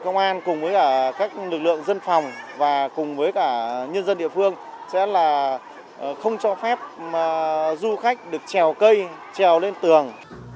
bên cạnh lực lượng công an lực lượng dân phòng lực lượng dân phòng lực lượng dân phòng lực lượng dân phòng